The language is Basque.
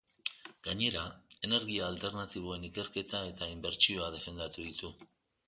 Gainera, energia alternatiboen ikerketa eta inbertsioa defendatu ditu.